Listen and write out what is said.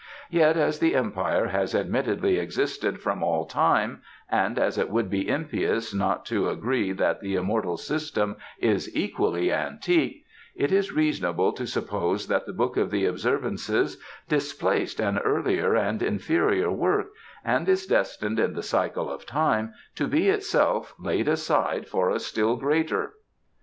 Yet as the Empire has admittedly existed from all time, and as it would be impious not to agree that the immortal System is equally antique, it is reasonable to suppose that the Book of the Observances displaced an earlier and inferior work, and is destined in the cycle of time to be itself laid aside for a still greater."